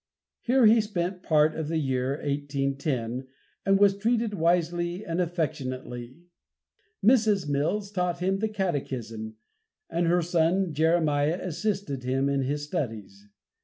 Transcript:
Here he spent a part of the year 1810, and was treated wisely and affectionately. Mrs. Mills taught him the Catechism, and her son Jeremiah assisted him in his studies.